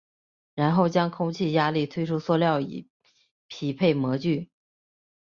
然后将空气压力推出塑料以匹配模具。